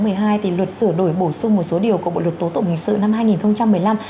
luật thì luật sửa đổi bổ sung một số điều của bộ luật tố tụng hình sự năm hai nghìn một mươi năm